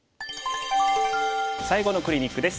最後のクリニックです。